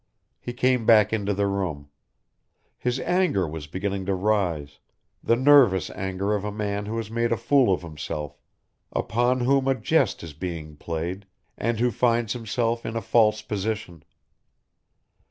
He came back into the room. His anger was beginning to rise, the nervous anger of a man who has made a fool of himself, upon whom a jest is being played, and who finds himself in a false position.